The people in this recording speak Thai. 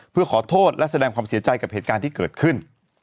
เพื่อขอโทษและแสดงความเสียใจกับเหตุการณ์ที่เกิดขึ้น